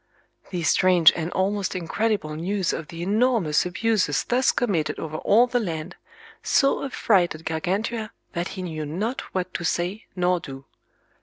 These strange and almost incredible news of the enormous abuses thus committed over all the land, so affrighted Gargantua that he knew not what to say nor do.